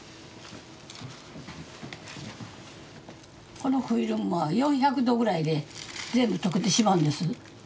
このフィルムは４００℃くらいで全部溶けてしまうんです。